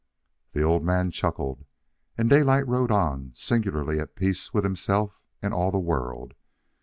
The old man chuckled, and Daylight rode on, singularly at peace with himself and all the world.